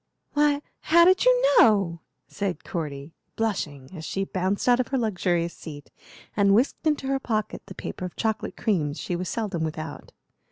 "Why, how did you know?" said Cordy, blushing, as she bounced out of her luxurious seat and whisked into her pocket the paper of chocolate creams she was seldom without.